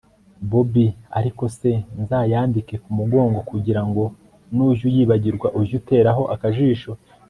bobi ariko se nzayandike kumugongo kugira ngo nujya uyibagirwa ujye uteraho akajisho